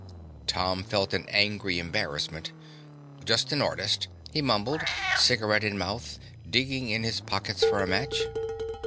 Tom felt an angry embarrassment. "Just an artist," he mumbled, cigaret in mouth, digging in his pockets for a match.